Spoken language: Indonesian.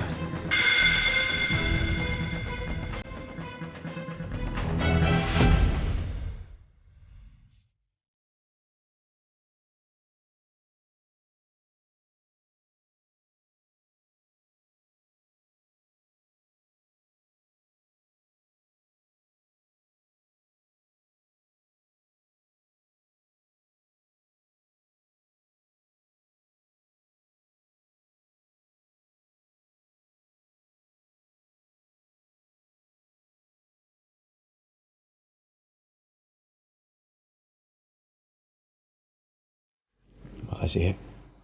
terima kasih hek